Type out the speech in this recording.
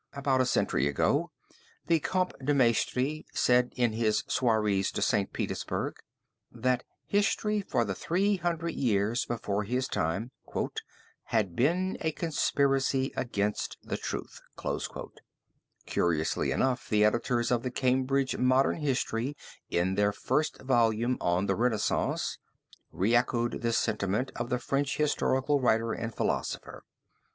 About a century ago the Comte de Maistre said in his Soirées de St. Petersburg, that history for the three hundred years before his time "had been a conspiracy against the truth." Curiously enough the editors of the Cambridge Modern History in their first volume on the Renaissance, re echoed this sentiment of the French historical writer and philosopher.